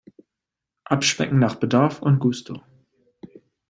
Abschmecken nach Bedarf und Gusto!